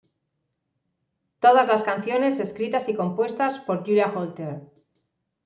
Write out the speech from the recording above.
Todas las canciones escritas y compuestas por Julia Holter.